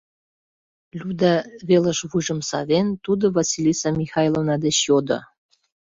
— Люда велыш вуйжым савен, тудо Василиса Михайловна деч йодо.